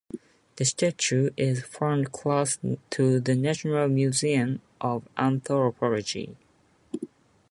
The statue is found close to the National Museum of Anthropology.